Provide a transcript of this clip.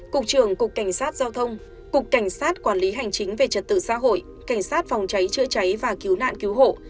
cục trưởng cục cảnh sát giao thông cục cảnh sát quản lý hành chính về trật tự xã hội cảnh sát phòng cháy chữa cháy và cứu nạn cứu hộ